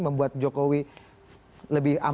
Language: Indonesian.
membuat jokowi lebih amat